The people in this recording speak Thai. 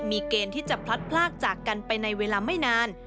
มีเกณฑ์ที่จะพลัดพลากจากกันไปในเวลาไม่นาน